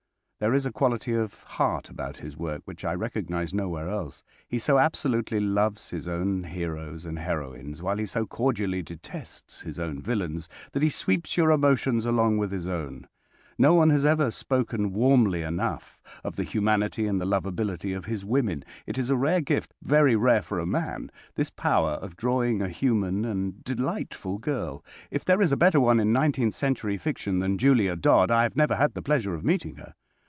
There is a quality of heart about his work which I recognize nowhere else. He so absolutely loves his own heroes and heroines, while he so cordially detests his own villains, that he sweeps your emotions along with his own. No one has ever spoken warmly enough of the humanity and the lovability of his women. It is a rare gift—very rare for a man—this power of drawing a human and delightful girl. If there is a better one in nineteenth century fiction than Julia Dodd I have never had the pleasure of meeting her.